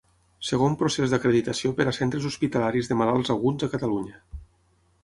Segon procés d'acreditació per a centres hospitalaris de malalts aguts a Catalunya.